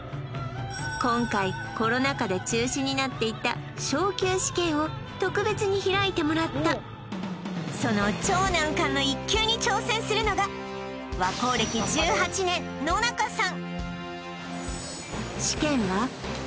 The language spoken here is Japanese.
今回コロナ禍で中止になっていたしてもらったその超難関の１級に挑戦するのが和幸歴１８年野中さん